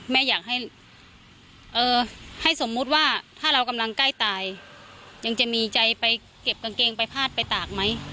แม่อยากให้สมมุติว่าถ้าเรากำลังใกล้ตายยังจะมีใจไปเก็บกางเกงไปพาดไปตากไหม